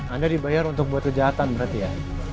anda dibayar untuk buat kejahatan berarti ya